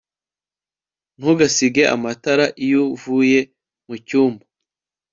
Ntugasige amatara iyo uvuye mucyumba